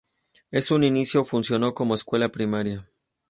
En un inicio funcionó como escuela primaria.